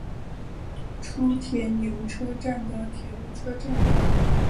初田牛车站的铁路车站。